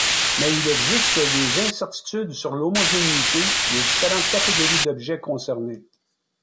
Mais il existe des incertitudes sur l'homogénéité des différentes catégories d'objets concernées.